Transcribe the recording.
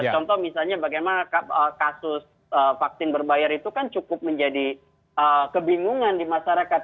contoh misalnya bagaimana kasus vaksin berbayar itu kan cukup menjadi kebingungan di masyarakat